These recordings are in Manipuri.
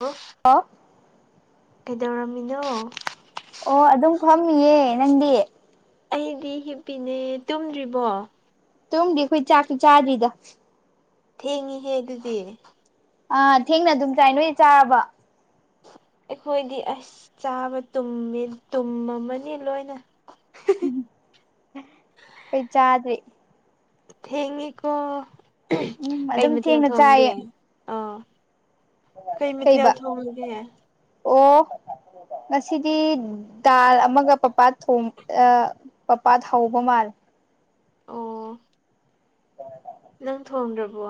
ꯍꯜꯂꯣ ꯑ [unintelligible] ꯀꯩꯗꯧꯔꯝꯃꯤꯅꯣ꯫ ꯑꯣ ꯑꯗꯨꯝ ꯐꯝꯃꯤꯌꯦ ꯅꯪꯗꯤ꯫ ꯑꯩꯗꯤ ꯍꯤꯞꯄꯤꯅꯦ ꯇꯨꯝꯗ꯭ꯔꯤꯕꯣ꯫ ꯇꯨꯝꯗꯤ ꯑꯩꯈꯣꯏ ꯆꯥꯛꯁꯨ ꯆꯥꯗ꯭ꯔꯤꯗ꯫ ꯊꯦꯡꯉꯤ ꯍꯦ ꯑꯗꯨꯗꯤ꯫ ꯑ ꯊꯦꯡꯅ ꯑꯗꯨꯝ ꯆꯥꯏ ꯅꯣꯏ ꯆꯥꯔꯕꯣ ꯑꯩꯈꯣꯏꯗꯤ ꯑꯁ ꯆꯥꯕꯃꯦ ꯇꯨꯝꯃꯅꯤ ꯂꯣꯏꯅ꯫ ꯑꯩ ꯆꯥꯗ꯭ꯔꯤ ꯊꯦꯡꯉꯤꯀꯣ ꯎꯝ ꯀꯩ ꯑꯗꯨꯝ ꯃꯊꯦꯜ ꯊꯦꯡꯅ ꯊꯣꯡꯒꯦ꯫ ꯆꯥꯏꯌꯦ ꯑ ꯀꯩ ꯃꯊꯦꯜ ꯀꯩꯕ ꯊꯣꯡꯉꯒꯦ꯫ ꯑꯣ ꯉꯁꯤꯗꯤ ꯗꯥꯜ ꯑꯃꯒ ꯄꯄꯥꯠ ꯊꯣꯡ ꯄꯄꯥꯠ ꯍꯧꯕ ꯃꯥꯜꯂꯦ꯫ ꯑꯣ꯫ [inaudible] ꯅꯪ ꯊꯣꯡꯗ꯭ꯔꯕꯣ꯫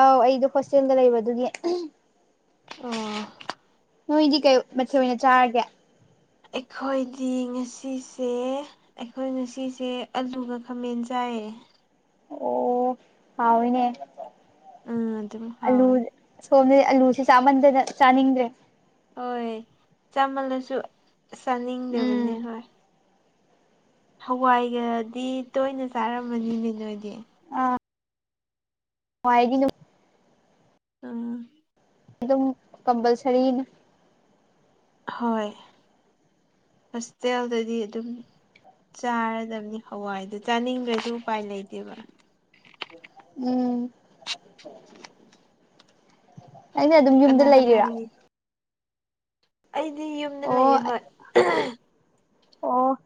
ꯑꯧ ꯑꯩꯗꯣ ꯍꯣꯁꯇꯦꯜꯗ ꯂꯩꯕꯗꯨꯒꯤ꯫ ꯑꯣ꯫ ꯅꯣꯏꯗꯤ ꯀꯩ ꯃꯊꯦꯜ ꯑꯣꯏꯅ ꯆꯥꯔꯒꯦ꯫ ꯑꯩꯈꯣꯏꯗꯤ ꯉꯁꯤꯁꯦ꯫ ꯑꯩꯈꯣꯏ ꯉꯁꯤꯁꯦ ꯑꯂꯨꯒ ꯈꯥꯃꯦꯟ ꯆꯥꯏ ꯑꯣ ꯍꯎꯑꯦꯅꯦ ꯎꯝ ꯑꯗꯨꯝ ꯑꯂꯨ ꯍꯥꯎꯋꯦ ꯁꯣꯝꯅꯗꯤ ꯑꯂꯨꯁꯦ ꯆꯥꯃꯟꯗꯅ ꯆꯥꯅꯤꯡꯗ꯭ꯔꯦ꯫ ꯍꯣꯏ ꯆꯃꯜꯂꯁꯨ ꯆꯥꯅꯤꯡꯗꯕꯅꯤ ꯎꯝ ꯍꯣꯏ ꯍꯋꯥꯏꯒꯗꯤ ꯇꯣꯏꯅ ꯆꯥꯔꯝꯃꯅꯤꯅꯦ ꯅꯣꯏꯗꯤ ꯍ ꯍꯥꯏꯗꯤ ꯑꯗꯨ ꯑꯥ ꯑꯗꯨꯝ ꯀꯝꯄꯜꯁꯔꯤꯅ ꯍꯣꯏ ꯍꯣꯁꯇꯦꯜꯗꯗꯤ ꯑꯗꯨꯝ ꯆꯥꯔꯗꯕꯅꯤ ꯍꯋꯥꯏꯗꯨ ꯆꯥꯅꯤꯡꯗ꯭ꯔꯁꯨ ꯎꯄꯥꯏ ꯂꯩꯇꯦꯕ ꯎꯝ ꯎ ꯑꯩꯅ ꯑꯗꯨꯝ ꯌꯨꯝꯗ ꯂꯩꯔꯤꯔꯥ ꯂꯩ ꯑꯩꯗꯤ ꯌꯨꯝꯗ ꯑꯣ ꯂꯩꯌꯦ ꯍꯣꯏ ꯑꯣ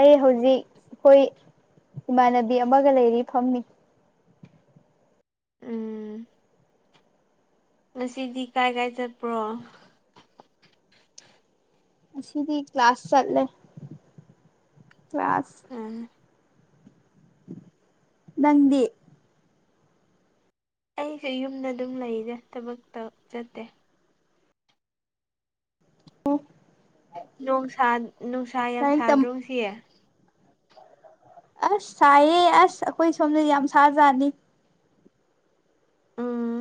ꯑꯩ ꯍꯧꯖꯤꯛ ꯑꯩꯈꯣꯏ ꯏꯃꯥꯟꯅꯕꯤ ꯑꯃꯒ ꯂꯩꯔꯤ ꯐꯝꯅꯤ ꯎꯝ ꯉꯁꯤꯗꯤ ꯀꯥꯏ ꯀꯥꯏ ꯆꯠꯄ꯭ꯔꯣ ꯑꯁꯤꯗꯤ ꯀ꯭ꯂꯥꯁ ꯆꯠꯂꯦ ꯀ꯭ꯂ ꯀ꯭ꯂꯥꯁ ꯎꯝ ꯅꯥꯪꯗꯤ ꯑꯩꯁꯦ ꯌꯨꯝꯗ ꯑꯗꯨꯝ ꯂꯩꯔꯦ ꯊꯕꯛꯇ ꯆꯠꯇꯦ ꯅꯨꯡꯁꯥ ꯅꯨꯡꯁꯥ ꯌꯥꯝ ꯂꯥꯏꯔꯤꯛ ꯇꯝ ꯁꯥꯗ꯭ꯔꯣ ꯅꯨꯡꯁꯤꯌꯦ ꯑꯁ ꯁꯥꯏꯌꯦ ꯑꯁ ꯑꯩꯈꯣꯏ ꯁꯣꯝꯗ ꯌꯥꯝ ꯁꯥꯖꯥꯠꯅꯤ ꯎꯝ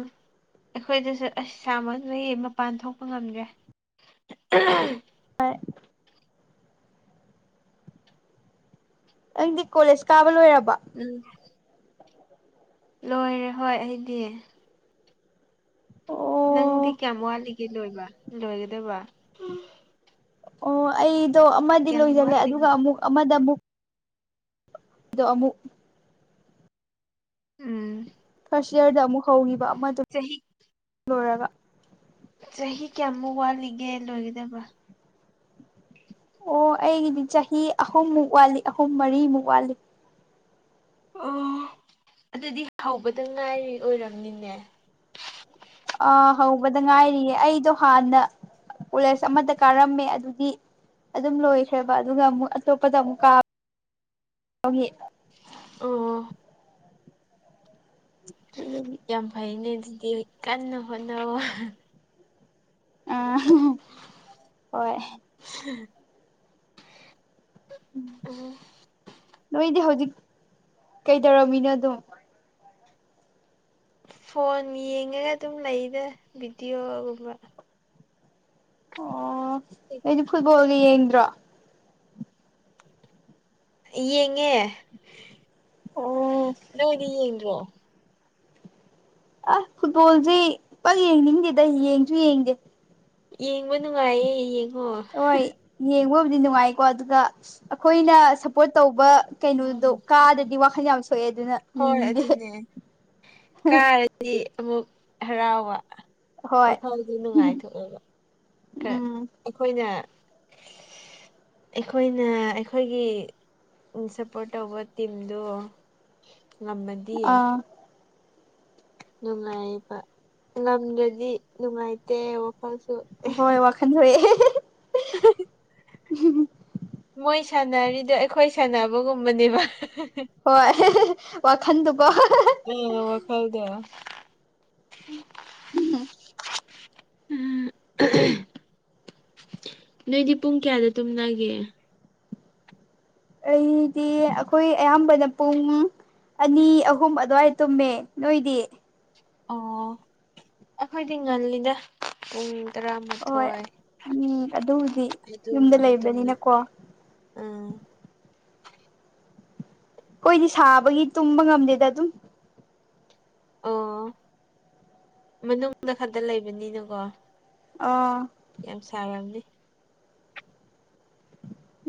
ꯑꯩꯈꯣꯏꯗꯁꯨ ꯑꯁ ꯁꯥꯥꯃꯛ ꯂꯌꯦ ꯃꯄꯥꯟ ꯊꯣꯛꯄ ꯉꯝꯗ꯭ꯔꯦ ꯎ [unintelligible] ꯅꯪꯗꯤ ꯀꯣꯂꯦꯖ ꯀꯥꯕ ꯂꯣꯏꯔꯕ ꯎꯝ ꯂꯣꯏꯔꯦ ꯍꯣꯏ ꯑꯩꯗꯤ ꯅꯪꯗꯤ ꯑꯣ ꯀꯌꯥꯝ ꯋꯥꯠꯂꯤꯒꯦ ꯂꯣꯏꯕ ꯂꯣꯏꯒꯗꯕ ꯑꯣ ꯑꯩꯗꯣ ꯑꯃꯗꯤ ꯀꯌꯥꯝ ꯂꯣꯏꯁꯤꯜꯂꯦ ꯋꯥꯠꯂꯤꯒꯦ ꯑꯗꯨꯒ ꯑꯃꯨꯛ ꯑꯃꯗ ꯑꯃꯨꯛꯗꯣ ꯑꯃꯨꯛ ꯎꯝ ꯐꯥꯔꯁ ꯏꯌꯥꯔꯗ ꯑꯃꯨꯛ ꯍꯧꯈꯤꯕꯗꯨ ꯆꯍꯤ ꯂꯣꯏꯔꯒ ꯆꯍꯤ ꯀꯌꯥꯃꯨꯛ ꯋꯥꯠꯂꯤꯒꯦ ꯂꯣꯏꯒꯗꯕ ꯑꯣ ꯑꯩꯒꯤꯗꯤ ꯆꯍꯤ ꯑꯍꯨꯝꯃꯨꯛ ꯋꯥꯠꯂꯤ ꯑꯍꯨꯝ ꯃꯔꯤꯃꯨꯛ ꯋꯥꯠꯂꯤ ꯑꯣ ꯑꯗꯨꯗꯤ ꯍꯧꯕꯇ ꯉꯥꯏꯔꯤ ꯑꯣꯏꯔꯝꯅꯤꯅꯦ ꯑꯥ ꯍꯧꯕꯗ ꯉꯥꯏꯔꯤꯌꯦ ꯑꯩꯗꯣ ꯍꯥꯟꯅ ꯀꯣꯂꯦꯖ ꯑꯃꯗ ꯀꯥꯔꯝꯃꯦ ꯑꯗꯨꯗꯤ ꯑꯗꯨꯝ ꯂꯣꯏꯈ꯭ꯔꯦꯕ ꯑꯗꯨꯒ ꯑꯃꯨꯛ ꯑꯇꯣꯞꯄꯗ ꯑꯃꯨꯛ ꯀꯥꯕ ꯎꯝ ꯎꯝ ꯌꯥꯝ ꯐꯩꯅꯦ ꯑꯗꯨꯗꯤ ꯀꯟꯅ ꯍꯣꯠꯅꯧ ꯑ ꯍꯣꯏ ꯎꯝ ꯎꯝ ꯎ ꯅꯣꯏꯗꯤ ꯍꯧꯖꯤꯛ ꯀꯩꯗꯧꯔꯝꯃꯤꯅꯣ ꯑꯗꯨꯝ ꯐꯣꯟ ꯌꯦꯡꯉꯒ ꯑꯗꯨꯝ ꯂꯩꯗ ꯚꯤꯗꯤꯑꯣꯒꯨꯝꯕ ꯑꯩꯗꯤ ꯐꯨꯠꯕꯣꯜ ꯌꯦꯡ꯭ꯔꯣ ꯌꯦꯡꯉꯦ ꯑꯣ ꯅꯣꯏꯗꯤ ꯌꯦꯡꯗ꯭ꯔꯣ ꯑꯁ ꯐꯨꯠꯕꯣꯜꯁꯦ ꯄ ꯌꯦꯡꯅꯤꯡꯗꯦꯗ ꯌꯦꯡꯁꯨ ꯌꯦꯡꯗꯦ ꯌꯦꯡꯕ ꯅꯨꯡꯉꯥꯏꯌꯦ ꯌꯦꯡꯉꯣ ꯍꯣꯏ ꯌꯦꯡꯕꯕꯨꯗꯤ ꯅꯨꯡꯉꯥꯏꯀꯣ ꯑꯗꯨꯒ ꯑꯩꯈꯣꯏꯅ ꯁꯞꯄꯣꯔꯠ ꯇꯧꯕ ꯀꯩꯅꯣꯗꯣ ꯀꯥꯗꯗꯤ ꯋꯥꯈꯟ ꯌꯥꯝ ꯁꯣꯛꯑꯦ ꯑꯗꯨꯅ ꯍꯣꯏ ꯌꯦꯡꯅꯤꯡꯗꯦ ꯑꯗꯨꯅꯦ ꯀꯥꯔꯗꯤ ꯑꯃꯨꯛ ꯍꯔꯥꯎꯕ ꯍꯣꯏ ꯋꯥꯈꯜꯗꯤ ꯅꯨꯡꯉꯥꯏꯊꯣꯛꯑꯦꯕ ꯈꯔ ꯎꯝ ꯑꯩꯈꯣꯏꯅ ꯑꯩꯈꯣꯏꯅ ꯑꯩꯈꯣꯏꯒꯤ ꯎꯝ ꯁꯞꯄꯣꯔꯠ ꯇꯧꯕ ꯇꯤꯝꯗꯣ ꯉꯝꯃꯗꯤ ꯑꯥ ꯅꯨꯡꯉꯥꯏꯕ ꯉꯝꯗ꯭ꯔꯗꯤ ꯅꯨꯡꯉꯥꯏꯇꯦ ꯋꯥꯈꯜꯁꯨ ꯍꯣꯏ ꯋꯥꯈꯟ ꯊꯣꯛꯑꯦ [unintelligible] ꯃꯣꯏ ꯁꯥꯟꯅꯔꯤꯗꯣ ꯑꯩꯈꯣꯏ ꯁꯥꯟꯅꯕꯒꯨꯝꯕꯅꯦꯕ ꯍꯣꯏ ꯋꯥꯈꯟꯗꯣꯀꯣ ꯎꯝ ꯋꯥꯈꯜꯗꯣ [unintelligible] ꯎꯝ ꯅꯣꯏꯗꯤ ꯄꯨꯡ ꯀꯌꯥꯗ ꯇꯨꯝꯅꯒꯦ ꯑꯩꯗꯤ ꯑꯩꯈꯣꯏ ꯑꯌꯥꯝꯕꯅ ꯄꯨꯡ ꯑꯅꯤ ꯑꯍꯨꯝ ꯑꯗꯨꯋꯥꯏ ꯇꯨꯝꯃꯦ ꯅꯣꯏꯗꯤ ꯑꯣ ꯑꯩꯈꯣꯏꯗꯤ ꯉꯜꯂꯤꯗ ꯎꯝ ꯍꯣꯏ ꯇꯔꯥꯃꯥꯊꯣꯏ ꯎꯝ ꯑꯗꯨꯕꯨꯗꯤ ꯌꯨꯝꯗ ꯑꯗꯨꯝꯕꯗ ꯇꯨꯝꯂꯤ ꯂꯩꯕꯅꯤꯅꯀꯣ ꯎꯝ ꯑꯩꯈꯣꯏꯗꯤ ꯁꯥꯕꯒꯤ ꯇꯨꯝꯕ ꯉꯝꯗꯦꯗ ꯑꯗꯨꯝ ꯑꯣ ꯃꯅꯨꯡꯗ ꯈꯛꯇ ꯂꯩꯕꯅꯤꯅꯀꯣ ꯑꯥ ꯌꯥꯝ ꯁꯥꯔꯝꯅꯤ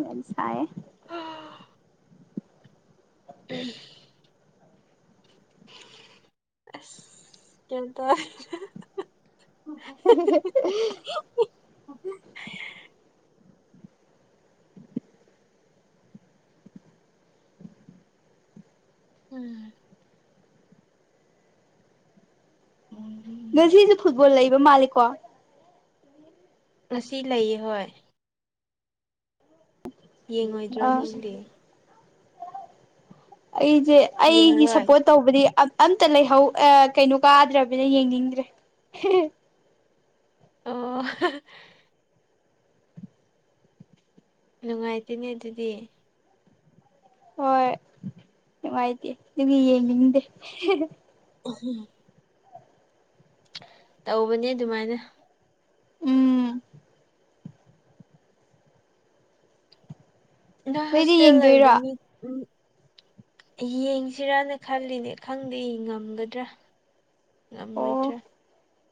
ꯌꯝ ꯁꯥꯏꯌꯦ [unintelligible] ꯑꯁ ꯀꯌꯥꯟ ꯇꯥ [unintelligible] [unintelligible] ꯎꯝ ꯉꯁꯤꯁꯦ ꯐꯨꯠꯕꯣꯜ ꯂꯩꯕ ꯃꯥꯂꯤꯀꯣ ꯉꯁꯤ ꯂꯩꯌꯦ ꯍꯣꯏ ꯌꯦꯡꯉꯣꯏꯗ꯭ꯔꯣ ꯑꯥ ꯅꯪꯗꯤ ꯑꯩꯁꯦ ꯑꯩꯒꯤ ꯌꯦꯡꯉꯔꯣꯏ ꯁꯞꯄꯣꯠ ꯇꯧꯕꯗꯤ ꯑꯝ ꯑꯝꯇ ꯂꯩꯍꯧ ꯑꯥ ꯀꯩꯅꯣ ꯀꯥꯗ꯭ꯔꯕꯅꯤꯅ ꯌꯦꯡꯅꯤꯡꯗ꯭ꯔꯦ ꯑꯣ ꯅꯨꯡꯉꯥꯏꯇꯦ ꯅꯦ ꯑꯗꯨꯗꯤ ꯍꯣꯏ ꯅꯨꯡꯉꯥꯏꯇꯦ ꯑꯗꯨꯒꯤ ꯌꯦꯡꯅꯤꯡꯗꯦ ꯎꯍꯨꯝ ꯇꯧꯕꯅꯦ ꯑꯗꯨꯃꯥꯏꯅ ꯎꯝ ꯅꯣꯏ ꯅꯣꯏꯗꯤ ꯍꯣꯁꯇꯦꯜ ꯂꯩꯕꯗꯨ ꯌꯦꯡꯗꯣꯏꯔꯣ ꯃꯤ ꯎꯝ ꯌꯦꯡꯁꯤꯔꯅ ꯈꯜꯂꯤꯅꯦ ꯈꯪꯗꯦ ꯉꯝꯒꯗ꯭ꯔꯥ ꯑꯣ ꯉꯝꯃꯣꯏꯗ꯭ꯔꯥ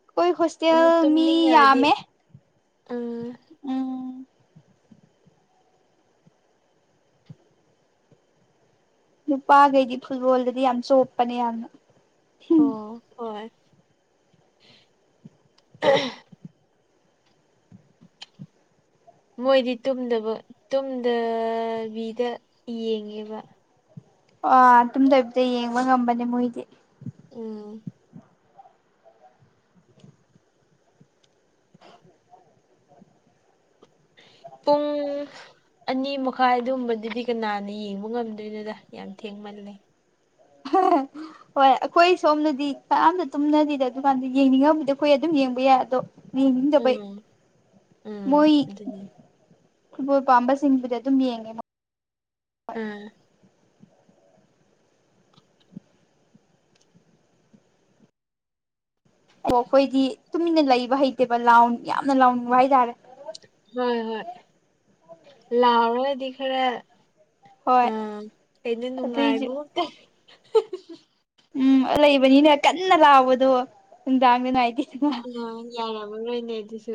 ꯑꯩꯈꯣꯏ ꯑꯃꯨꯛ ꯍꯣꯁꯇꯦꯜ ꯃꯤ ꯇꯨꯝꯅꯤꯡꯉꯛꯑꯗꯤ ꯌꯥꯝꯃꯦ ꯑꯥ ꯎꯝ ꯅꯨꯄꯥꯈꯩꯗꯤ ꯐꯨꯠꯕꯣꯜꯗꯗꯤ ꯌꯥꯝ ꯆꯣꯞꯄꯅꯦ ꯌꯥꯝꯅ ꯑꯣ ꯍꯣꯏ [unintelligible] ꯃꯣꯏꯗꯤ ꯇꯨꯝꯗꯕ ꯇꯨꯝꯗꯕꯤꯗ ꯌꯦꯡꯉꯦꯕ ꯑꯥ ꯇꯨꯝꯗꯕꯤꯗ ꯌꯦꯡꯕ ꯉꯝꯕꯅꯦ ꯃꯣꯏꯗꯤ ꯎꯝ [unintelligible] ꯄꯨꯡ ꯑꯅꯤ ꯃꯈꯥꯏ ꯑꯗꯨꯝꯕꯗꯨꯗꯤ ꯀꯅꯥꯅ ꯌꯦꯡꯕ ꯉꯝꯗꯣꯏꯅꯣꯗ ꯌꯥꯝ ꯊꯦꯡꯃꯜꯂꯦ [unintelligible] ꯍꯣꯏ ꯑꯩꯈꯣꯏ ꯁꯣꯝꯗꯗꯤ ꯀꯅꯥꯝꯇ ꯇꯨꯝꯅꯗꯦꯗ ꯑꯗꯨꯀꯥꯟꯗ ꯌꯦꯡꯅꯤꯡꯉꯕꯨꯗꯤ ꯑꯩꯈꯣꯏ ꯑꯗꯨꯝ ꯌꯦꯡꯕ ꯌꯥꯏ ꯑꯗꯣ ꯌꯦꯡꯅꯤꯡꯗꯕꯩ ꯎꯝ ꯎꯝ ꯃꯣꯏ ꯑꯗꯨꯅꯤ ꯐꯨꯠꯕꯣꯜ ꯄꯥꯝꯕꯁꯤꯡꯕꯨꯗꯤ ꯑꯗꯨꯝ ꯌꯦꯡꯉꯦ ꯎꯝ ꯑꯣ ꯑꯩꯈꯣꯏꯗꯤ ꯇꯨꯃꯤꯟꯅ ꯂꯩꯕ ꯍꯩꯇꯦꯕ ꯂꯥꯎ ꯌꯥꯝꯅ ꯂꯥꯎꯅꯤꯡꯕ ꯍꯥꯏꯇꯥꯔꯦ ꯍꯣꯏ ꯍꯣꯏ ꯂꯥꯎꯔꯒꯗꯤ ꯈꯔ ꯍꯣꯏ ꯑꯥ ꯀꯩꯅꯣ ꯑꯗꯨꯏꯁꯨ ꯅꯨꯡꯉꯥꯏꯕ [unintelligible] ꯎꯝ ꯂꯩꯕꯅꯤꯅ ꯀꯟꯅ ꯂꯥꯎꯕꯗꯣ ꯅꯨꯡꯗꯥꯡꯗ [unintelligible] ꯑꯣ ꯌꯥꯔꯝꯃꯔꫭꯏꯅꯦ ꯑꯗꯨꯁꯨ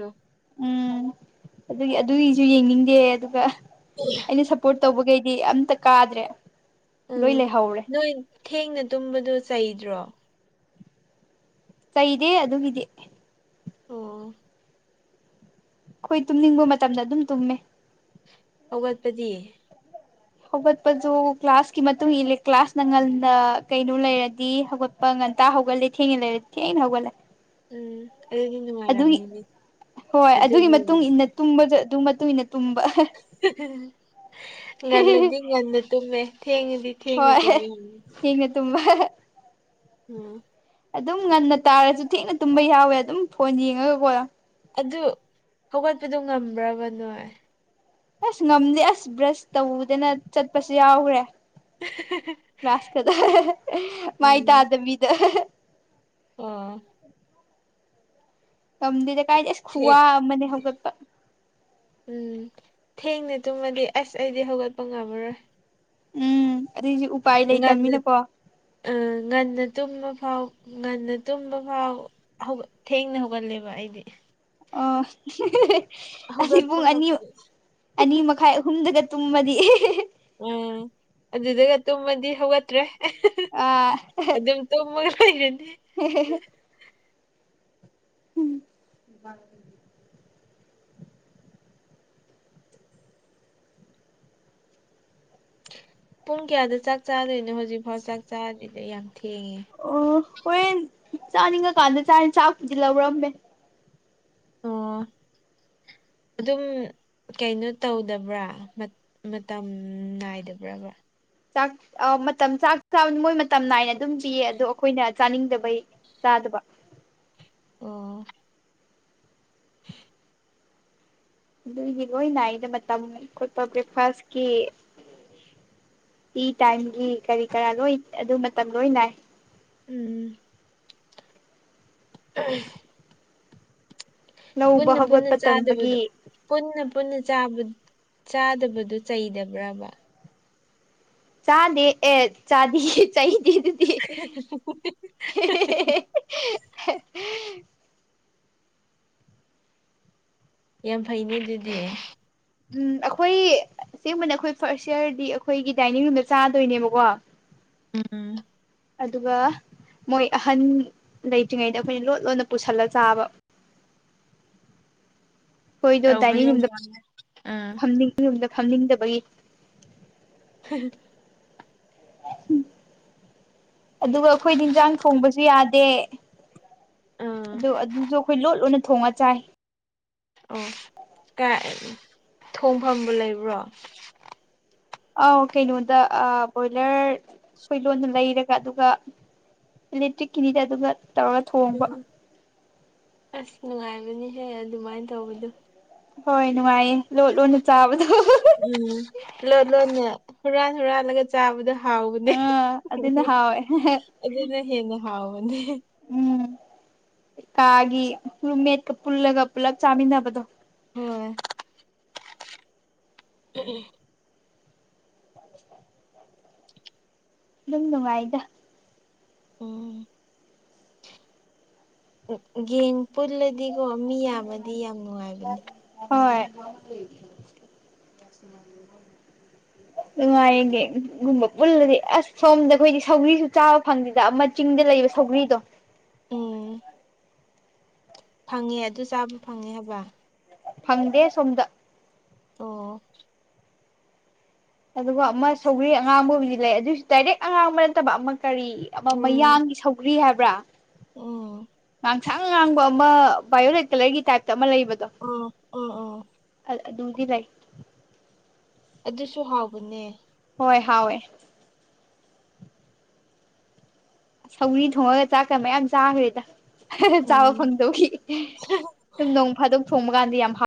ꯎꯝ ꯑꯗꯨꯒꯤ ꯑꯗꯨꯒꯤꯁꯨ ꯌꯦꯡꯅꯤꯡꯗꯦ ꯑꯗꯨꯒ [unintelligible] ꯑꯩꯅ ꯁꯞꯄꯣꯔꯠ ꯇꯧꯕꯈꯩꯗꯤ ꯑꯝꯇ ꯀꯥꯗ꯭ꯔꯦ ꯎꯝ ꯂꯣꯏ ꯂꯩꯍꯧꯔꯦ ꯅꯣꯏ ꯊꯦꯡꯅ ꯇꯨꯝꯕꯗꯣ ꯆꯩꯗ꯭ꯔꯣ ꯆꯩꯗꯦ ꯑꯗꯨꯒꯤꯗꯤ ꯑꯣ ꯑꯩꯈꯣꯏ ꯇꯨꯝꯅꯤꯡꯕ ꯃꯇꯝꯗ ꯑꯗꯨꯝ ꯇꯨꯝꯃꯦ ꯍꯧꯒꯠꯄꯗꯤ ꯍꯧꯒꯠꯄꯁꯨ ꯀ꯭ꯂꯥꯁꯀꯤ ꯃꯇꯨꯡ ꯏꯜꯂꯦ ꯀ꯭ꯂꯥꯁꯅ ꯉꯟꯅ ꯀꯩꯅꯣ ꯂꯩꯔꯗꯤ ꯍꯧꯒꯠ ꯄꯥ ꯉꯟꯇ ꯍꯧꯒꯠꯂꯦ ꯊꯦꯡꯉ ꯂꯩꯔꯗꯤ ꯊꯦꯡꯅ ꯍꯧꯒꯠꯂꯤ ꯎꯝ [unintelligible] ꯑꯗꯨꯒꯤ ꯍꯣꯏ ꯑꯗꯨꯒꯤ ꯃꯇꯨꯡ ꯃꯇꯨꯡ ꯏꯟꯅ ꯇꯨꯝꯕꯁꯨ ꯑꯗꯨꯒꯤ ꯃꯇꯨꯡ ꯏꯟꯅ ꯇꯨꯝꯕ [unintelligible] ꯉꯟꯂꯗꯤ ꯉꯟꯅ ꯇꯨꯝꯃꯦ ꯊꯦꯡꯉꯗꯤ ꯊꯦꯡꯅ ꯍꯣꯏ ꯇꯨꯝꯃꯦ ꯊꯦꯡꯅ ꯇꯨꯝꯕ ꯑꯣ ꯑꯗꯨꯝ ꯉꯟꯅ ꯇꯥꯔꯁꯨ ꯊꯦꯡꯅ ꯇꯨꯝꯕ ꯌꯥꯎꯋꯦ ꯑꯗꯨꯝ ꯐꯣꯟ ꯌꯦꯡꯉꯒ ꯀꯣ ꯑꯗꯨ ꯍꯧꯒꯠꯄꯗꯨ ꯉꯝꯕ꯭ꯔꯕ ꯅꯣꯏ ꯑꯁ ꯉꯝꯗꯦ ꯑꯁ ꯕ꯭ꯔꯁ ꯇꯧꯗꯅ ꯆꯠꯄꯁꯨ ꯌꯥꯎꯈ꯭ꯔꯦ ꯀ꯭ꯂꯥꯁ ꯀꯗꯣ [unintelligible] ꯃꯥꯏ ꯎꯝ ꯇꯥꯗꯕꯤꯗ [unintelligible] ꯑꯣ ꯉꯝꯗꯦꯗ ꯀꯥꯏꯗꯒꯤ ꯑꯁ ꯈꯨꯋꯥ ꯊꯦ ꯑꯃꯅꯦ ꯍꯧꯒꯠꯄ ꯎꯝ ꯊꯦꯡꯅꯦ ꯇꯨꯝꯃꯗꯤ ꯑꯁ ꯑꯩꯗꯤ ꯍꯧꯒꯠꯄ ꯉꯝꯃꯔꯣꯏ ꯎꯝ [unintelligible] ꯉꯟꯅ ꯂꯩꯇꯕꯅꯤꯅꯀꯣ ꯑ ꯉꯟꯅ ꯇꯨꯝꯕ ꯐꯥꯎ ꯉꯟꯅ ꯇꯨꯝꯕ ꯐꯥꯎ ꯍꯧꯒꯠ ꯊꯦꯡꯅ ꯍꯧꯒꯜꯂꯦꯕ ꯑꯩꯗꯤ ꯑꯣ [unintelligible] ꯑꯩꯗꯤ ꯍꯧꯒꯠꯄ ꯄꯨꯡ ꯑꯅꯤ ꯉꯝꯗꯦ ꯑꯅꯤ ꯃꯈꯥꯏ ꯑꯍꯨꯝꯗꯒ ꯇꯨꯝꯃꯗꯤ [unintelligible] ꯎꯝ ꯑꯗꯨꯗꯨꯒ ꯇꯨꯝꯃꯗꯤ ꯍꯧꯒꯠꯇ꯭ꯔꯦ ꯑꯥ [unintelligible] ꯑꯗꯨꯝ ꯇꯨꯝꯃꯒ ꯂꯩꯔꯅꯤ [unintelligible] [unintelligible] ꯄꯨꯡ ꯀꯌꯥꯗ ꯆꯥꯛ ꯆꯥꯗꯣꯏꯅꯣ ꯍꯧꯖꯤꯛꯐꯥꯎ ꯆꯥꯛ ꯆꯥꯗꯤꯗꯣ ꯌꯥꯝ ꯊꯦꯡꯉꯦ꯫ ꯑꯣ ꯍꯣꯔꯦꯟ ꯆꯥꯅꯤꯡꯉꯀꯥꯟꯗ ꯆꯥꯅꯤ ꯆꯥꯛꯄꯨꯗꯤ ꯂꯧꯔꯝꯃꯦ꯫ ꯑꯣ ꯑꯗꯨꯝ ꯀꯩꯅꯣ ꯇꯧꯗꯕ꯭ꯔꯥ ꯃꯠ ꯃꯇꯝ ꯅꯥꯏꯗꯕ꯭ꯔꯕ ꯆꯥꯛ ꯑꯣ ꯃꯇꯝ ꯆꯥꯛ ꯆꯥꯕꯗꯣ ꯃꯣꯏ ꯃꯇꯝ ꯅꯥꯏꯅ ꯑꯗꯨꯝ ꯄꯤꯌꯦ ꯑꯗꯣ ꯑꯩꯈꯣꯏꯅ ꯆꯅꯤꯡꯗꯕꯩ ꯆꯥꯗꯕ ꯑꯣ꯫ [unintelligible] ꯑꯗꯨꯏꯒꯤ ꯂꯣꯏ ꯅꯥꯏꯗ ꯃꯇꯝ ꯈꯣꯠꯄ ꯕ꯭ꯔꯦꯛꯐꯥꯁꯀꯤ ꯇꯤ ꯇꯥꯏꯝꯒꯤ ꯀꯔꯤ ꯀꯔꯥ ꯂꯣꯏ ꯑꯗꯨ ꯃꯇꯝ ꯂꯣꯏ ꯅꯥꯏ꯫ ꯎꯝ꯫ [unintelligible] ꯂꯧꯕ ꯄꯨꯟꯅ ꯄꯨꯟꯅ ꯍꯧꯒꯠꯄ ꯇꯟꯕꯒꯤ ꯆꯥꯗꯕꯗꯣ꯫ ꯄꯨꯟꯅ ꯄꯨꯟꯅ ꯆꯥꯕ ꯆꯥꯗꯕꯗꯨ ꯆꯩꯗꯕ꯭ꯔꯕ꯫ ꯆꯥꯗꯦ ꯑꯦ ꯆꯥꯗꯤꯌꯦ ꯆꯩꯗꯦ ꯑꯗꯨꯗꯤ꯫ [unintelligible] ꯌꯥꯝ ꯐꯩꯅꯦ ꯑꯗꯨꯗꯤ꯫ ꯎꯝ ꯑꯩꯈꯣꯏ ꯑꯁꯦꯡꯕꯅꯤ ꯑꯩꯈꯣꯏ ꯐꯥꯔꯁ ꯏꯌꯥꯔꯗꯤ ꯑꯩꯈꯣꯏꯒꯤ ꯗꯥꯏꯅꯤꯡ ꯔꯨꯝꯗ ꯆꯥꯗꯣꯏꯅꯦꯕꯀꯣ꯫ ꯎꯝ꯫ ꯑꯗꯨꯒ ꯃꯣꯏ ꯑꯍꯟ ꯂꯩꯇ꯭ꯔꯤꯉꯩꯗ ꯑꯩꯈꯣꯏꯅ ꯂꯣꯠ ꯂꯣꯠꯅ ꯄꯨꯁꯜꯂ ꯆꯥꯕ꯫ ꯈꯣꯏꯗꯣ ꯗꯥꯏꯅꯤꯡ ꯇꯧꯕꯅꯦ ꯔꯨꯝꯗ ꯌꯥꯝꯅ ꯑꯥ ꯐꯝꯅꯤꯡ ꯔꯨꯝꯗ ꯐꯝꯅꯤꯡꯗꯕꯒꯤ꯫ [unintelligible] [unintelligible] ꯑꯗꯨꯒ ꯑꯩꯈꯣꯏꯗꯤ ꯏꯟꯖꯥꯡ ꯊꯣꯡꯕꯁꯨ ꯌꯥꯗꯦ꯫ ꯑꯥ ꯑꯗꯣ ꯑꯗꯨꯖꯨ ꯑꯩꯈꯣꯏ ꯂꯣꯠ ꯂꯣꯠꯅ ꯊꯣꯡꯉ ꯆꯥꯏ꯫ ꯑꯣ ꯀꯤꯏ ꯊꯣꯡꯐꯝꯕꯨ ꯂꯩꯕ꯭ꯔꯣ꯫ ꯑꯥꯎ ꯀꯩꯅꯣꯗ ꯑ ꯕꯣꯏꯂꯔ ꯑꯩꯈꯣꯏ ꯂꯣꯟꯅ ꯂꯩꯔꯒ ꯑꯗꯨꯒ ꯏꯂꯦꯛꯇ꯭ꯔꯤꯛ ꯀꯤꯅꯤꯗ ꯑꯗꯨꯒ ꯇꯧꯔꯒ ꯊꯣꯡꯕ ꯎꯝ ꯑꯁ ꯅꯨꯡꯉꯥꯏꯕꯅꯤꯍꯦ ꯑꯗꯨꯃꯥꯏꯅ ꯇꯧꯕꯗꯣ꯫ ꯍꯣꯏ ꯅꯨꯡꯉꯥꯏꯌꯦ ꯂꯣꯠ ꯂꯣꯠꯅ ꯆꯥꯕꯗꯣ꯫ ꯎꯝ ꯂꯣꯠ ꯂꯣꯠꯅ ꯍꯨꯔꯥꯟ ꯍꯨꯔꯥꯟꯂꯒ ꯆꯥ ꯆꯥꯕꯗꯣ ꯍꯥꯎꯕꯅꯦ ꯑꯥ ꯑꯗꯨꯅ ꯍꯥꯎꯋꯦ ꯑꯗꯨꯅ ꯍꯦꯟꯅ ꯍꯥꯎꯕꯅꯦ꯫ ꯎꯝ ꯀꯥꯒꯤ ꯔꯨꯝꯃꯦꯠꯀ ꯄꯨꯂꯕ ꯄꯨꯜꯂꯒ ꯆꯥꯃꯤꯟꯅꯕꯗꯣ꯫ [unintelligible] [unintelligible] ꯑꯗꯨꯝ ꯅꯨꯡꯉꯥꯏꯗ꯫ ꯎꯝ꯫ ꯒꯦꯡ ꯄꯨꯜꯂꯗꯤꯀꯣ ꯃꯤ ꯌꯥꯝꯃꯗꯤ ꯌꯥꯝ ꯅꯨꯡꯉꯥꯏꯕꯅꯤ꯫ ꯍꯣꯏ ꯅꯨꯡꯉꯥꯏꯌꯦ ꯒꯦꯡ ꯒꯨꯝꯕ ꯄꯨꯜꯂꯗꯤ ꯑꯁ ꯁꯣꯝꯗ ꯑꯩꯈꯣꯏꯗꯤ ꯁꯧꯒꯔꯤꯁꯨ ꯆꯥꯕ ꯐꯪꯗꯦꯗ ꯑꯃ ꯆꯤꯡꯗ ꯂꯩꯕ ꯁꯧꯒ꯭ꯔꯤꯗꯣ꯫ ꯎꯝ ꯐꯪꯉꯦ ꯑꯗꯨ ꯆꯥꯕ ꯐꯪꯉꯦ ꯍꯥꯏꯕ꯫ ꯐꯪꯗꯦ ꯁꯣꯝꯗ꯫ ꯑꯣ꯫ ꯑꯗꯨꯒ ꯑꯃ ꯁꯧꯒ꯭ꯔꯤ ꯑꯉꯥꯡꯕꯕꯨꯗꯤ ꯂꯩ ꯑꯗꯨꯏꯒ ꯗꯥꯏꯔꯦꯛ ꯑꯉꯥꯡꯕ ꯅꯠꯇꯕ ꯑꯃ ꯀꯔꯤ ꯑꯃ ꯎꯝ ꯃꯌꯥꯡꯒꯤ ꯁꯧꯒ꯭ꯔꯤ ꯍꯥꯏꯕ꯭ꯔꯥ꯫ ꯎꯝ꯫ ꯉꯥꯛꯁꯪ ꯉꯥꯡꯕ ꯑꯃ ꯕꯥꯏꯌꯣꯂꯦꯠ ꯀꯂꯔꯒꯤ ꯇꯥꯏꯞꯇ ꯑꯃ ꯂꯩꯕꯗꯣ꯫ ꯎꯝ ꯎꯝ ꯎꯝ ꯑꯗꯨꯗꯤ ꯂꯩ ꯑꯗꯨꯁꯨ ꯍꯥꯎꯕꯅꯦ꯫ ꯍꯣꯏ ꯍꯥꯎꯋꯦ ꯁꯧꯒꯔꯤ ꯊꯣꯡꯉꯒ ꯆꯥꯛꯀ ꯃꯌꯥꯝ ꯆꯥꯈ꯭ꯔꯦꯗ ꯆꯥꯕ ꯎꯝ ꯐꯪꯗꯈꯤ ꯁꯨꯝ ꯅꯣꯡ ꯐꯥ ꯗꯨꯣꯛ ꯊꯣꯡꯕ ꯀꯥꯟꯗ ꯌꯥꯝ ꯍꯥꯎ